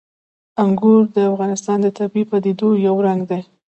انګور د افغانستان د طبیعي پدیدو یو رنګ دی.